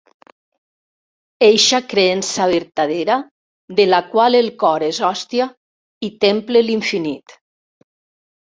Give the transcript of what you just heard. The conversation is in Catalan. Eixa creença vertadera de la qual el cor és hòstia i temple l'infinit.